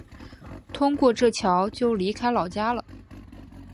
通过这桥就离开老家了